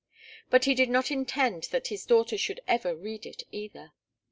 But he did not intend that his daughter should ever read it either.